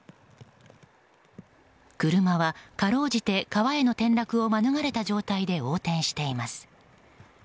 車は、かろうじて川への転落を免れた状態で横転しています。